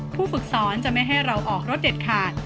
ผู้ฝึกสอนจะไม่ให้เราออกรถเด็ดขาด